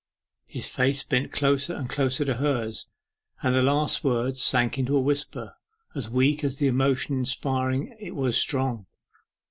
His face bent closer and closer to hers, and the last words sank to a whisper as weak as the emotion inspiring it was strong.